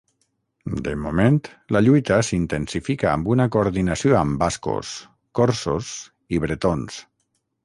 De moment, la lluita s’intensifica amb una coordinació amb bascos, corsos i bretons.